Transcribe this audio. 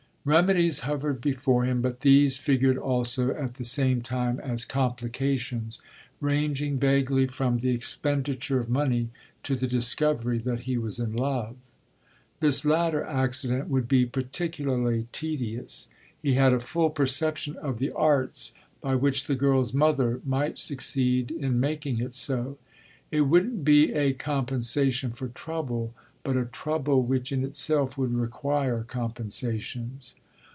Remedies hovered before him, but these figured also at the same time as complications; ranging vaguely from the expenditure of money to the discovery that he was in love. This latter accident would be particularly tedious; he had a full perception of the arts by which the girl's mother might succeed in making it so. It wouldn't be a compensation for trouble, but a trouble which in itself would require compensations.